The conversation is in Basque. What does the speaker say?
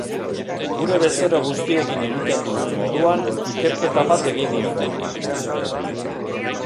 Gure bezero guztiekin egiten dugun moduan, ikerketa bat egin nion.